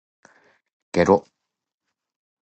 げろ